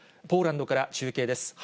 ポーランドから中継です。